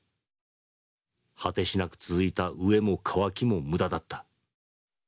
果てしなく続いた飢えも渇きも無駄だった。